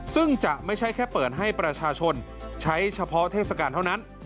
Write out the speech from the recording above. ซึ่งจะไม่ใช่แค่เปิดให้ประชาชนใช้เฉพาะเทศกาลเท่านั้น